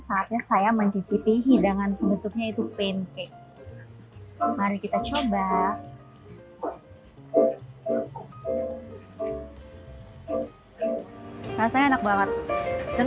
saatnya saya mencicipi hidangan penutupnya itu pancake mari kita coba rasanya enak banget dan